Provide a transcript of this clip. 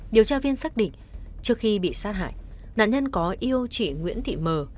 điều tra viên xác định trước khi bị sát hại nạn nhân có yêu chị nguyễn thị mờ